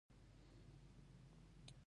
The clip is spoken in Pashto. ډېر دردونکي حالتونه مو په ملک کې تېر شوي.